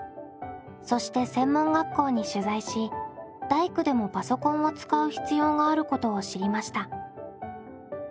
そして専門学校に取材し大工でもパソコンを使う必要があることを知りました。